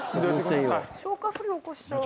消化不良起こしちゃう。